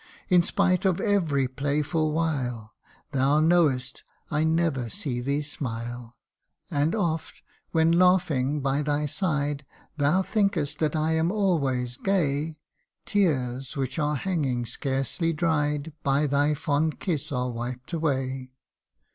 In spite of every playful wile, Thou know'st I never see thee smile ; And oft, when, laughing by thy side Thou think'st that I am always gay, Tears which are hanging scarcely dried By thy fond kiss are wiped away.